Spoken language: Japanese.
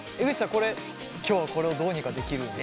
これ今日はこれをどうにかできるんですか？